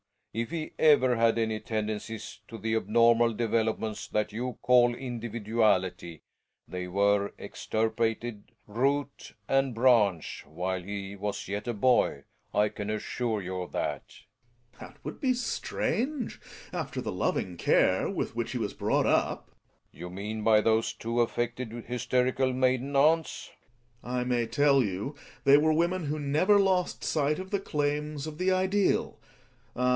If he ever had any tendencies to the abnormal developments that you call individuality, they were extirpated, root and branch, while he was yet a boy; I can assure you of that. Gregers. That would be strange after the loving care with which he was brought up. Relling. You mean by those two affected, hysterical maiden aunts ? >v^' 120 THE WILD DUCK. Gregers. I may tell you they were women who never lost sight of the claims of the ideal — ah!